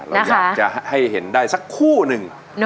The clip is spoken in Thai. เราอยากจะให้เห็นได้สักคู่หนึ่ง